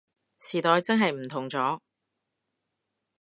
時代真係唔同咗